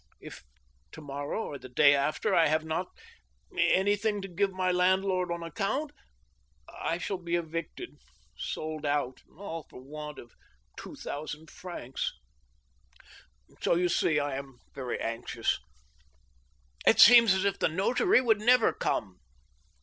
... If to morrow or the day after I have not any thing to give my landlord on account, I shall be evicted, sold out, and all for want of two thousand francs !... So, you see, I am very anxious. It seems as if the notary would never come."